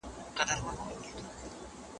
یا مرور دی له تعبیره قسمت